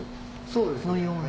そうですね。